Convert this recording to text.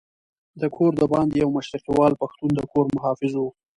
د کور دباندې یو مشرقیوال پښتون د کور محافظ وو.